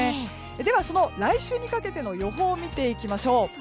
では、その来週にかけての予報を見ていきましょう。